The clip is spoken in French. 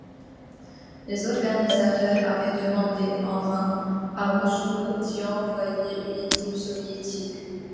Les organisateurs avaient demandé, en vain, à Moscou d'y envoyer une équipe soviétique.